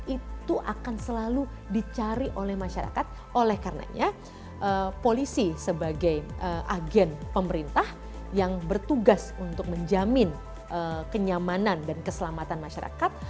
itu akan selalu dicari oleh masyarakat oleh karenanya polisi sebagai agen pemerintah yang bertugas untuk menjamin kenyamanan dan keselamatan masyarakat